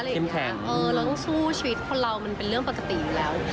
เราต้องสู้ชีวิตคนเรามันเป็นเรื่องปกติอยู่แล้ว